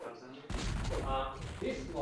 U sevimli miltig’ini yelkasiga tashladi.